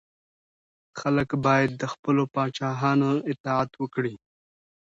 خلګ باید د خپلو پاچاهانو اطاعت وکړي.